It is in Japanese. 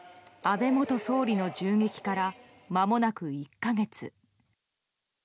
安倍元総理の銃撃からまもなく１か月。